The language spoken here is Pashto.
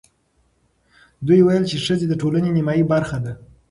دوی ویل چې ښځې د ټولنې نیمايي برخه ده.